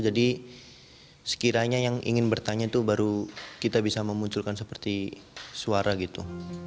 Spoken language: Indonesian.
jadi sekiranya yang ingin bertanya itu baru kita bisa memunculkan seperti suara gitu